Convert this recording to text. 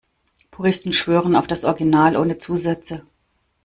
Puristen schwören auf das Original ohne Zusätze.